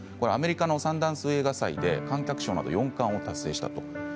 アメリカのサンダンス映画祭で観客賞など４冠を達成しました。